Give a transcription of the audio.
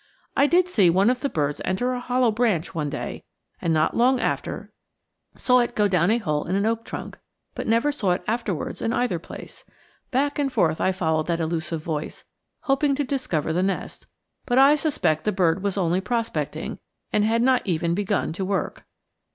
I did see one of the birds enter a hollow branch, one day, and not long after saw it go down a hole in an oak trunk; but never saw it afterwards in either place. Back and forth I followed that elusive voice, hoping to discover the nest, but I suspect the bird was only prospecting, and had not even begun to work.